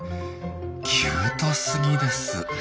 キュートすぎです！